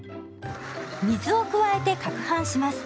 水を加えてかくはんします。